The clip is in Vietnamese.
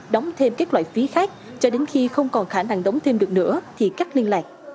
đóng thêm các loại phí khác cho đến khi không còn khả năng đóng thêm được nữa thì cắt liên lạc